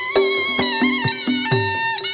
โชว์ที่สุดท้าย